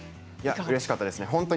うれしかったです。